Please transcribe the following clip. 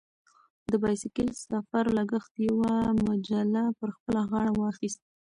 د بایسکل سفر لګښت یوه مجله پر خپله غاړه واخیست.